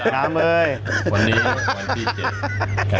สวัสดีลูกน้ำ